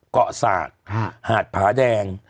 เกาะศาสตร์หาดผาแดง